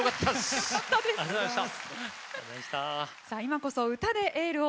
今こそ歌でエールを！